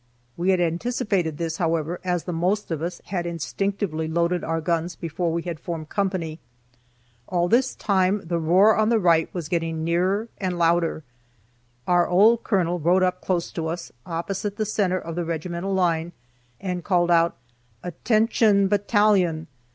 We had anticipated this, however, as the most of us had instinctively loaded our guns before we had formed company. All this time the roar on the right was getting nearer and louder. Our old colonel rode up close to us, opposite the center of the regimental line, and called out, "Attention, battalion!"